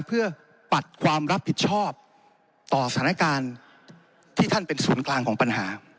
เพื่อปัดความรับผิดชอบต่อสถานการณ์ที่ท่านเป็นศูนย์กลางของปัญหา